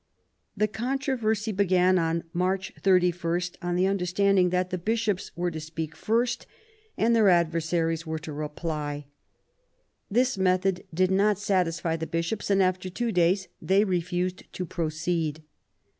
The controversy began on March 31, on the understanding that the Bishops were to speak first and their adversaries were to reply. This method did not satisfy the Bishops and, after two days, they refused to proceed.